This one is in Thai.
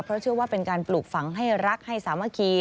เพราะเชื่อว่าเป็นการปลูกฝังให้รักให้สามัคคี